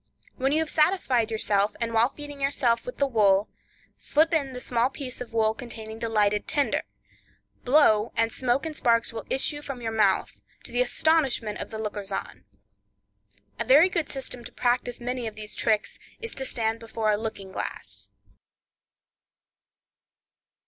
When you have satisfied yourself, and while feeding yourself with the wool, slip in the small piece of wool containing the lighted tinder; blow, and smoke and sparks will issue from your mouth, to the astonishment of the lookers on. A very good system to practice many of these tricks, is to stand before a looking glass.